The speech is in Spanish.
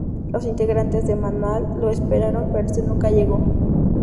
Los integrantes de Manal lo esperaron pero este nunca llegó.